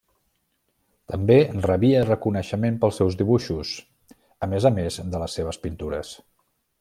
També rebia reconeixement pels seus dibuixos, a més a més de les seves pintures.